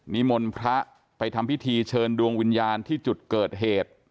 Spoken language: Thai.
นิมนต์พระไปทำพิธีเชิญดวงวิญญาณที่จุดเกิดเหตุ